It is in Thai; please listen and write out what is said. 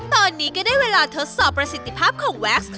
ตอนนี้ก็ได้เวลาทดสอบประสิทธิภาพของแว็กซ์